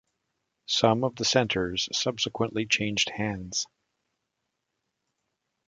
Some of the centres subsequently changed hands.